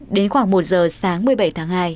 đến khoảng một giờ sáng một mươi bảy tháng hai